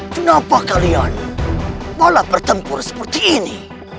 kenapa kalian malah bertempur seperti ini